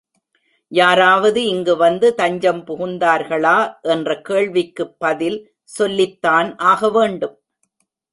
யாராவது இங்கு வந்து தஞ்சம் புகுந்தார்களா என்ற கேள்விக்குப் பதில் சொல்லித்தான் ஆக வேண்டும்.